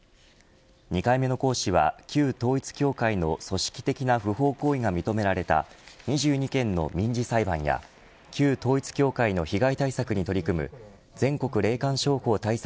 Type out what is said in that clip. ２回目の行使は旧統一教会の組織的な不法行為が認められた２２件の民事裁判や旧統一教会の被害対策に取り組む全国霊感商法対策